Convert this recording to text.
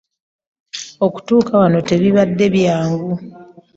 Okutuuka wano tekibadde kyangu.